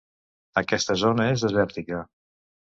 Aquesta zona és desèrtica.